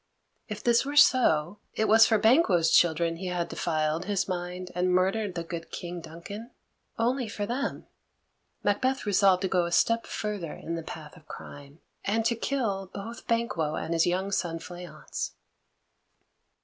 If this were so, it was for Banquo's children he had defiled his mind and murdered the good King Duncan only for them! Macbeth resolved to go a step further in the path of crime, and to kill both Banquo and his young son Fleance.